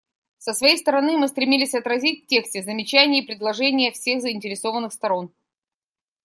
Со своей стороны, мы стремились отразить в тексте замечания и предложения всех заинтересованных сторон.